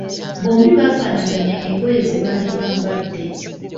Bombi bafaanaganya engoye ze baali bambadde.